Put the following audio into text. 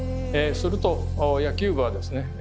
すると野球部はですねえ